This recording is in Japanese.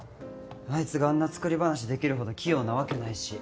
あいつがあんな作り話できるほど器用なわけないし。